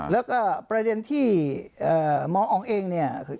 แล้วก็ประเด็นที่หมออ๋องเองเนี่ย